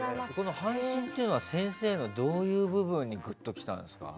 「半神」というのは先生のどういう部分にぐっと来たんですか？